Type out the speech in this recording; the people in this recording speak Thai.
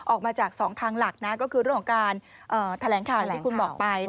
ออกมาจาก๒ทางหลักนะก็คือเรื่องของการแถลงข่าวอย่างที่คุณบอกไป